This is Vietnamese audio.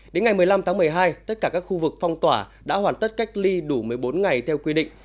đến ngày một mươi năm tháng một mươi hai tất cả các khu vực phong tỏa đã hoàn tất cách ly đủ một mươi bốn ngày theo quy định